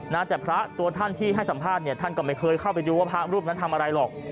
นะแต่พระตัวท่านที่ให้สัมภาษณ์เนี่ยท่านก็ไม่เคยเข้าไปดูว่าพระรูปนั้นทำอะไรหรอก